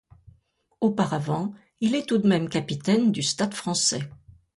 Auparavant, il est tout de même capitaine du Stade français.